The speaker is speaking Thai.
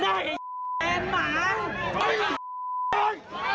แอนหมา